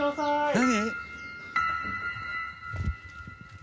何？